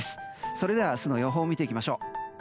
それでは明日の予報を見ていきましょう。